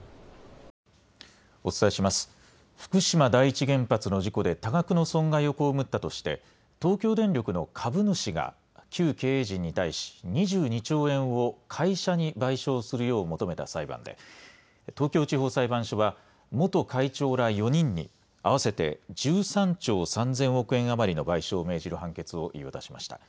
福島第一原発の事故で、多額の損害を被ったとして、東京電力の株主が、旧経営陣に対し、２２兆円を会社に賠償するよう求めた裁判で、東京地方裁判所は、元会長ら４人に、合わせて１３兆３０００億円余りの賠償を命じる判決を言い渡しました。